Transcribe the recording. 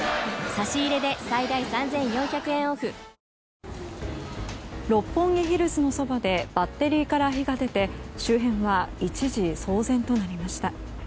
本麒麟六本木ヒルズのそばでバッテリーから火が出て周辺は一時、騒然となりました。